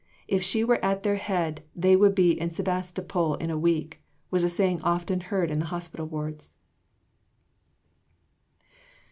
"If she were at their head, they would be in Sebastopol in a week;" was a saying often heard in the hospital wards.